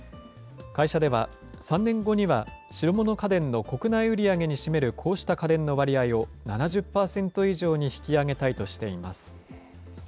会社では、３年後には白物家電の国内売り上げに占める、こうした家電の割合を７０％以上に引き上げたいとしています。